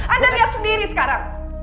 anda lihat sendiri sekarang